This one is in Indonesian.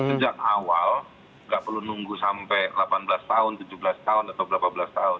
sejak awal nggak perlu nunggu sampai delapan belas tahun tujuh belas tahun atau berapa belas tahun